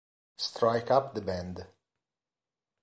Strike Up the Band